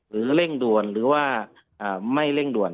เร่งด่วนหรือว่าไม่เร่งด่วน